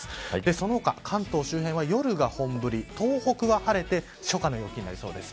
その他、関東周辺は夜が本降り東北は晴れて初夏の陽気になりそうです。